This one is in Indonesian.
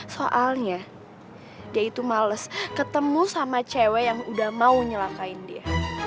soalnya dia itu males ketemu sama cewek yang udah mau nyelakain dia